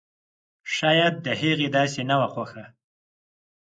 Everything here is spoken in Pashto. شايد د هغې داسې نه وه خوښه!